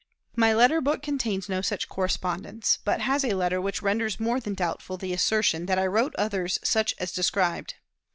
My letter book contains no such correspondence, but has a letter which renders more than doubtful the assertion that I wrote others such as described.